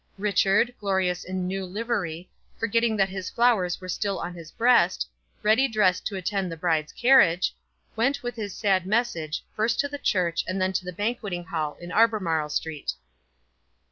Richard, glorious in new livery, forgetting that his flowers were still on his breast, ready dressed to attend the bride's carriage, went with his sad message, first to the church and then to the banqueting hall in Albemarle Street.